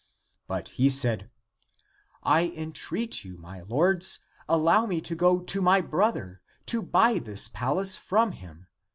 But he said, " I en treat you, my lords, allow me to go to my brother to buy this palace from him.